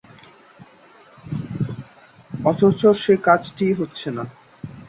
অথচ সে কাজটিই হচ্ছে না।